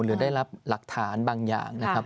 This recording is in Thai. หรือได้รับหลักฐานบางอย่างนะครับ